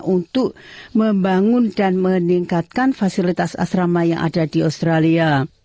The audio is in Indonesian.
untuk membangun dan meningkatkan fasilitas asrama yang ada di australia